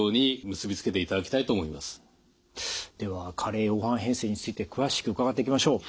では加齢黄斑変性について詳しく伺っていきましょう。